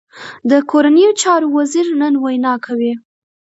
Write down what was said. د کورنیو چارو وزیر نن وینا کوي